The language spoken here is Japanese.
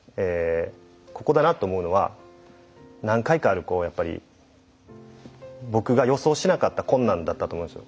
ここだなと思うのは何回かある僕が予想しなかった困難だったと思うんですよ。